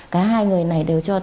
cả hai người này đều cho tiền